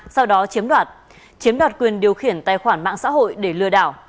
sau đó chiếm đoạt chiếm đoạt quyền điều khiển tài khoản mạng xã hội để lừa đảo